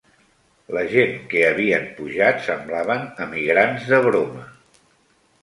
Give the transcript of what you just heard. La gent que havien pujat semblaven emigrants de broma